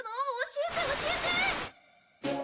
教えて教えて！